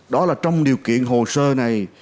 đó là trong điều kiện hồ sơ này